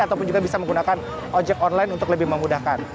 ataupun juga bisa menggunakan ojek online untuk lebih memudahkan